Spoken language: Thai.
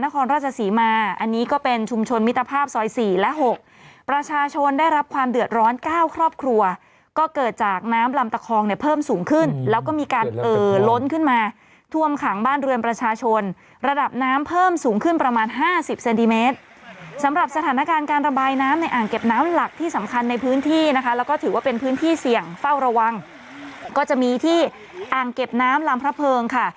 ประชาชนได้รับความเดือดร้อนก้าวครอบครัวก็เกิดจากน้ำลำตะคองในเพิ่มสูงขึ้นแล้วก็มีการล้นขึ้นมาท่วมขังบ้านเรือนประชาชนระดับน้ำเพิ่มสูงขึ้นประมาณ๕๐เซนติเมตรสำหรับสถานการณ์การระบายน้ำในอ่างเก็บน้ำหลักที่สำคัญในพื้นที่นะคะแล้วก็ถือว่าเป็นพื้นที่เสี่ยงเฝ้าระวังก็จะมีที่อ่าง